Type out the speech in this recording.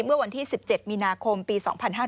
เมื่อวันที่๑๗มีนาคมปี๒๕๕๙